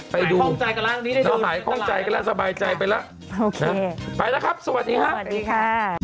ไปดูเจ้าหายข้องใจกันแล้วสบายใจไปแล้วครับสวัสดีครับสวัสดีค่ะ